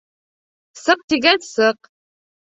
Сыҡ, тигәс, сыҡ.